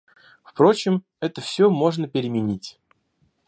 Впрочем, это все можно переменить.